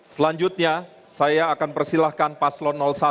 selanjutnya saya akan persilahkan paslon satu